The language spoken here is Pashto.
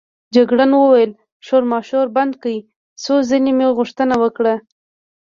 جګړن وویل: شورماشور بند کړئ، څو ځلې مې غوښتنه وکړه.